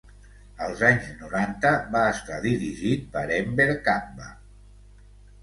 Als anys noranta, va estar dirigit per Enver Kapba.